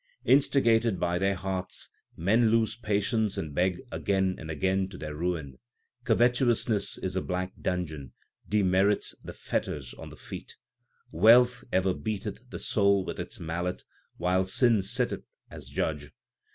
Instigated by their hearts 4 men lose patience and beg again and again to their ruin. Covetousness is a black dungeon, demerits the fetters on the feet. Wealth ever beatei;h the soul with its mallet, while sin sitteth as judge.